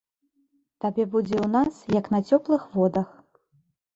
Табе будзе ў нас, як на цёплых водах!